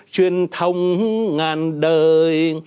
truyền thông ngàn đời